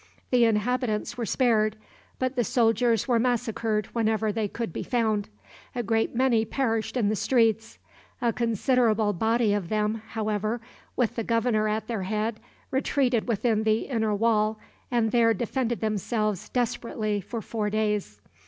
The inhabitants were spared, but the soldiers were massacred wherever they could be found. A great many perished in the streets. A considerable body of them, however, with the governor at their head, retreated within the inner wall, and there defended themselves desperately for four days.